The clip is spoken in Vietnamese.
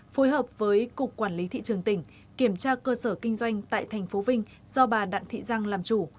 phối hợp với cục quản lý thị trường tỉnh kiểm tra cơ sở kinh doanh tại thành phố vinh do bà đạn thị giang làm chủ